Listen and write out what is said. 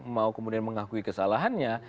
mau kemudian mengakui kesalahannya